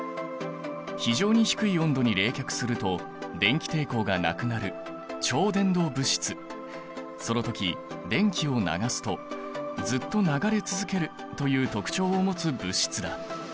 非常に低い温度に冷却すると電気抵抗がなくなるその時電気を流すとずっと流れ続けるという特徴を持つ物質だ。